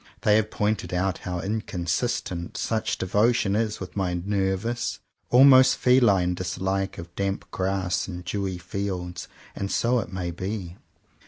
They have pointed out how inconsistent such devotion is with my nervous, almost feline dislike of damp grass and dewy fields; and so it may be.